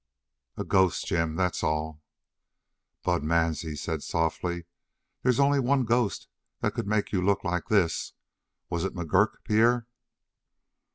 "A ghost, Jim, that's all." Bud Mansie said softly: "There's only one ghost that could make you look like this. Was it McGurk, Pierre?"